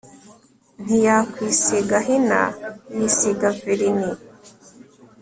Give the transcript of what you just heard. ntiyakwisiga hina, yisiga verini